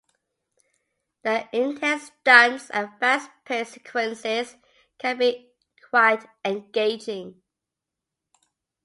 The intense stunts and fast-paced sequences can be quite engaging.